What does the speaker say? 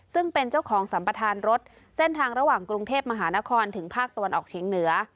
ซึ่งเป็นเจ้าของสัมประธานรถเส้นทางระหว่างกรุงเทพมหานครถึงภาคตะวันออกเฉียงเหนือ